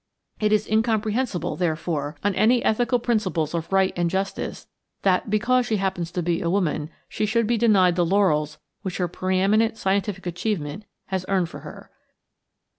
It is incomprehensible, therefore, on any ethical principles of right and justice that, because she happens to be a woman, she should be denied the laurels which her preëminent scientific achievement has earned for her."